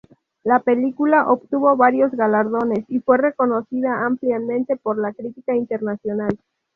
La película obtuvo varios galardones y fue reconocida ampliamente por la crítica internacional.